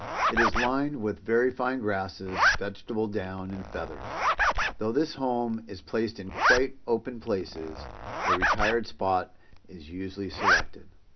It is lined with very fine grasses, vegetable down and feathers. Though this home is placed in quite open places, a retired spot is usually selected.